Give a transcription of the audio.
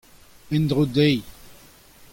En-dro dezhi.